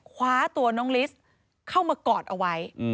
คว้าตัวน้องลิสเข้ามากอดเอาไว้